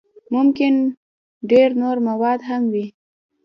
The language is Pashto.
ممکن ډېر نور موارد هم وي.